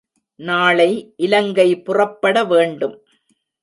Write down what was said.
நாளை இலங்கை புறப்பட வேண்டும்.